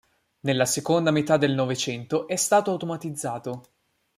Nella seconda metà del Novecento è stato automatizzato.